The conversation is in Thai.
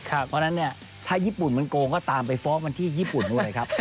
เพราะฉะนั้นเนี่ยถ้าญี่ปุ่นมันโกงก็ตามไปฟ้องมันที่ญี่ปุ่นด้วยครับ